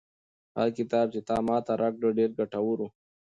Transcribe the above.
هغه کتاب چې تا ماته راکړ ډېر ګټور و.